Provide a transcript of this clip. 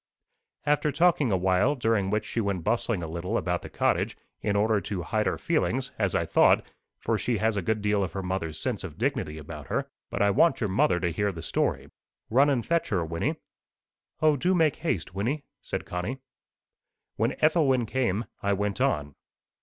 "After talking awhile, during which she went bustling a little about the cottage, in order to hide her feelings, as I thought, for she has a good deal of her mother's sense of dignity about her, but I want your mother to hear the story. Run and fetch her, Wynnie." "O, do make haste, Wynnie," said Connie. When Ethelwyn came, I went on.